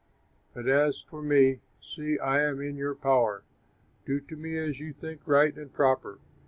But as for me, see, I am in your power; do to me as you think right and proper.